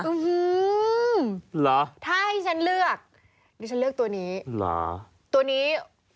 หรอถ้าให้ฉันเลือกตัวนี้หรอตัวนี้